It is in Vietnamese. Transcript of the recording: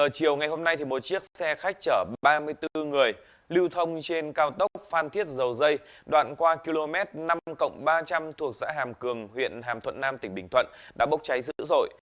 chiều ngày hôm nay một chiếc xe khách chở ba mươi bốn người lưu thông trên cao tốc phan thiết dầu dây đoạn qua km năm ba trăm linh thuộc xã hàm cường huyện hàm thuận nam tỉnh bình thuận đã bốc cháy dữ dội